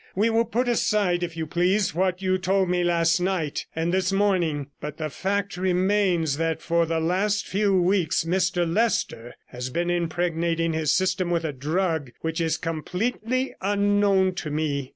We will put aside, if you please, what you told me last night and this morning, but the fact remains that for the last few weeks Mr Leicester has been impregnating his system with a drug which is completely unknown to me.